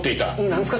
なんすか？